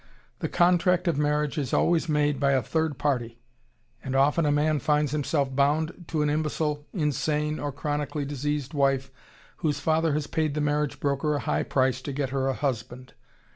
The contract of marriage is always made by a third party, and often a man finds himself bound to an imbecile, insane or chronically diseased wife whose father has paid the marriage broker a high price to get her a husband.